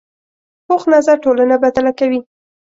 پوخ نظر ټولنه بدله کوي